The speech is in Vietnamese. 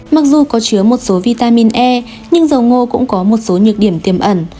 mặc dù có chứa một số vitamin e nhưng dầu ngô cũng có một số nhược điểm tiềm ẩn